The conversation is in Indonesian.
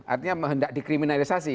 artinya dihendak dikriminalisasi